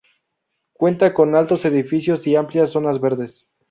Cuenta con altos edificios y amplias zonas verdes.